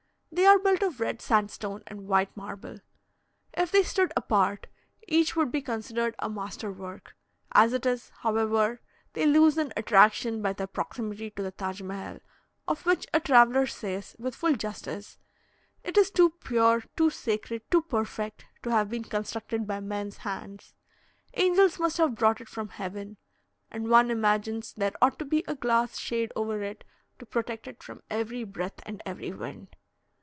They are built of red sandstone and white marble. If they stood apart, each would be considered a master work; as it is, however, they lose in attraction by their proximity to the Taj Mehal, of which a traveller says, with full justice: "It is too pure, too sacred, too perfect, to have been constructed by men's hands angels must have brought it from heaven; and one imagines there ought to be a glass shade over it, to protect it from every breath and every wind."